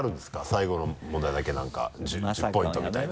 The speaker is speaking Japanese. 最後の問題だけ何か１０ポイントみたいな。